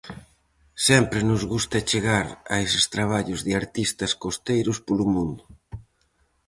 Sempre nos gusta chegar a eses traballos de artistas costeiros polo mundo.